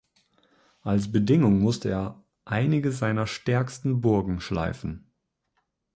Als Bedingung musste er einige seiner stärksten Burgen schleifen.